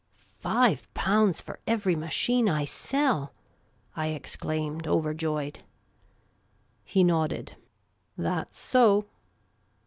" Five pounds for every machine I sell !" I exclaimed, overjoyed. He nodded. "That's so."